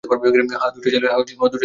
হ্যাঁ, দুইটা ছেলে আছে।